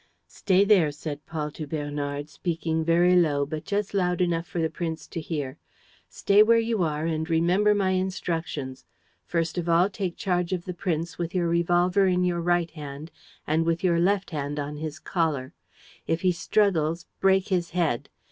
"Stay there," said Paul to Bernard, speaking very low, but just loud enough for the prince to hear. "Stay where you are and remember my instructions. First of all, take charge of the prince, with your revolver in your right hand and with your left hand on his collar. If he struggles, break his head.